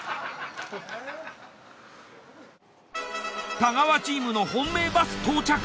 太川チームの本命バス到着。